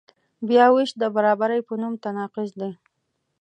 بیاوېش د برابرۍ په نوم تناقض دی.